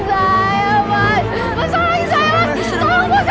tapi kenapa mama lama banget